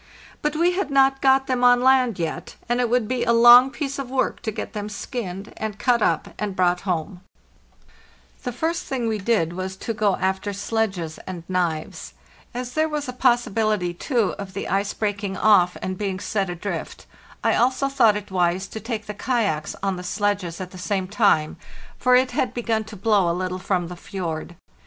But we had not got them on land yet, and it would be a long piece of work to get them skinned and cut up and brought home. The first thing we did was SHSONYWIVM LAND AT LAST 399 to go after sledges and knives. As there was a pos sibility, too, of the ice breaking off and being set adrift, I also thought it wise to take the kayaks on the sledges at the same time, for it had begun to blow a little from the fjord.